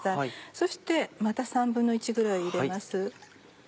そしてまた１／３ぐらい入れます。